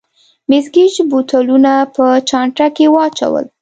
مېس ګېج بوتلونه په چانټه کې واچول.